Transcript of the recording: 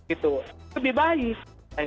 itu lebih baik